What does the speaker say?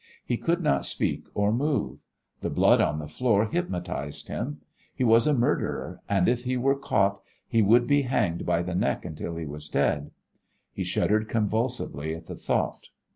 He could not speak or move. The blood on the floor hypnotized him. He was a murderer, and if he were caught he would be hanged by the neck until he was dead. He shuddered convulsively at the thought.